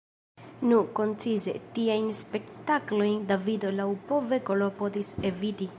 Nu koncize, tiajn spektaklojn Davido laŭpove klopodis eviti.